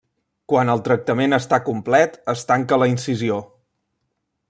Quan el tractament està complet es tanca la incisió.